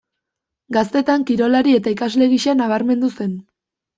Gaztetan kirolari eta ikasle gisa nabarmendu zen.